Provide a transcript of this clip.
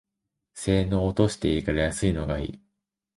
性能落としていいから安いのがいい